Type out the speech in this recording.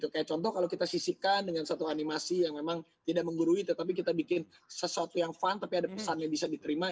kayak contoh kalau kita sisihkan dengan satu animasi yang memang tidak menggurui tetapi kita bikin sesuatu yang fun tapi ada pesan yang bisa diterima